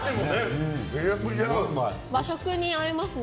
和食に合いますね